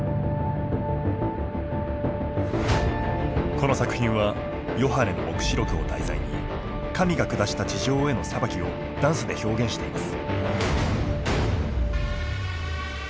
この作品は「ヨハネの黙示録」を題材に神が下した地上への裁きをダンスで表現しています。